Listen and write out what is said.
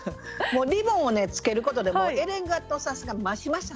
リボンをつけることでエレガントさが増しましたね。